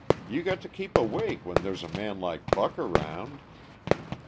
You got to keep awake when there's a man like Buck around."